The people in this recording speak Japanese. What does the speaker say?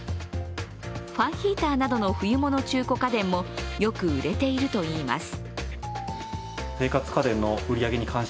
ファンヒーターなどの冬物中古家電もよく売れているといいます。